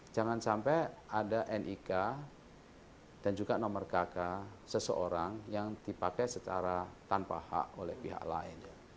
jangan sampai ada nik dan juga nomor kk seseorang yang dipakai secara tanpa hak oleh pihak lain